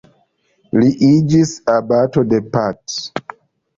Li iĝis abato de Bath.